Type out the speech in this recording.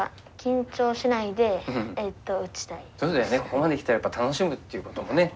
ここまできたらやっぱり楽しむっていうこともね